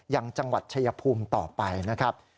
ยังจังหวัดชายภูมิต่อไปนะครับ